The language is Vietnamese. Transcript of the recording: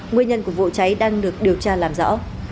nguyên nhân của vụ cháy đang được điều tra làm rõ